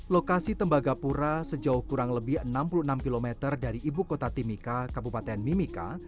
lokasi tembagapura sejauh kurang lebih enam puluh enam km dari ibu kota timika kabupaten mimika